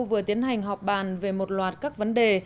vừa tiến hành họp bàn về một loạt các vấn đề